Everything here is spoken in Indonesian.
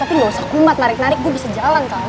tapi gak usah kumat marik marik gue bisa jalan kali